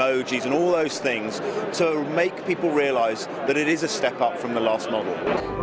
untuk membuat orang orang mengerti bahwa ini adalah langkah dari model terakhir